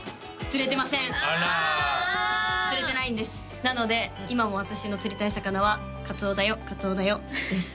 釣れてないんですなので今も私の釣りたい魚は「カツオだよカツオだよ」です